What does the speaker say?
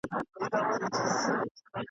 خپل نصیب وو تر قفسه رسولی !.